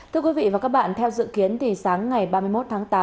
thưa quý vị và các bạn theo dự kiến thì sáng ngày ba mươi một tháng tám